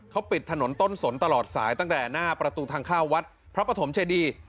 เขาปิดถนนต้นสนตลอดสายตั้งแต่หน้าประตูทางเข้าวัดพระปฐมเจดี